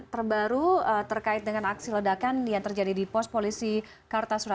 terbaru terkait dengan aksi ledakan yang terjadi di pos polisi kartasura